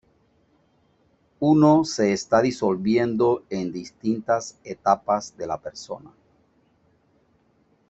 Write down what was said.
Uno se está disolviendo en distintas etapas de la persona.